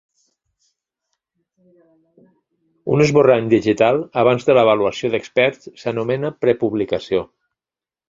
Un esborrany digital abans de l'avaluació d'experts s'anomena prepublicació.